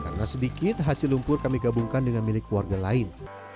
karena sedikit hasil lumpur kami gabungkan dengan milik keluarga lain